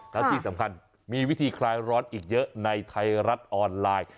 และที่สำคัญมีวิธีคลายร้อนอีกเยอะในไทยรัฐออนไลน์